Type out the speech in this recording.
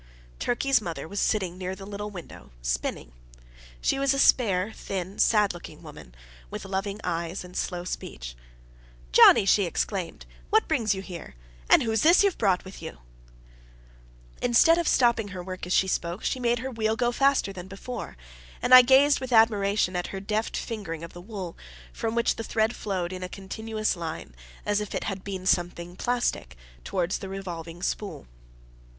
Turkey's mother was sitting near the little window, spinning. She was a spare, thin, sad looking woman, with loving eyes and slow speech. "Johnnie!" she exclaimed, "what brings you here? and who's this you've brought with you?" Instead of stopping her work as she spoke, she made her wheel go faster than before; and I gazed with admiration at her deft fingering of the wool, from which the thread flowed in a continuous line, as if it had been something plastic, towards the revolving spool.